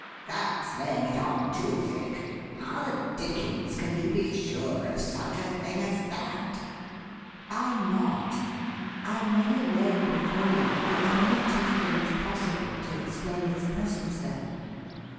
That's laying it on too thick. How the dickens can you be sure of such a thing as that?" "I'm not. I am merely laying before you the only two things possible to explain his presence there.